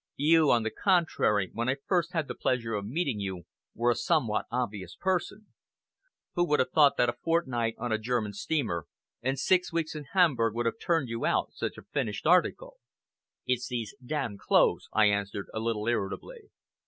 You, on the contrary, when I first had the pleasure of meeting you, were a somewhat obvious person. Who would have thought that a fortnight on a German steamer and six weeks in Hamburg would have turned you out such a finished article?" "It's these d d clothes," I answered a little irritably.